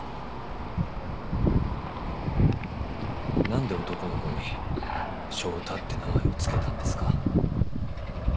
何で男の子に祥太って名前を付けたんですか？